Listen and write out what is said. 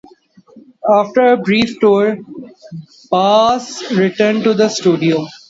After a brief tour, Bass returned to the studio.